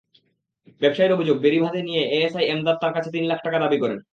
ব্যবসায়ীর অভিযোগ, বেড়িবাঁধে নিয়ে এএসআই এমদাদ তাঁর কাছে তিন লাখ টাকা দাবি করেন।